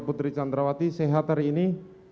putri candrawati sehat hari ini